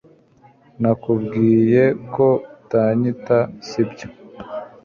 Nakubwiye ko utanyita sibyo